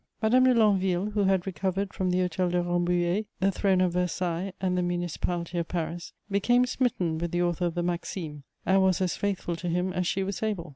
Madame de Longueville, who had recovered from the Hôtel de Rambouillet, the Throne of Versailles, and the Municipality of Paris, became smitten with the author of the Maximes, and was as faithful to him as she was able.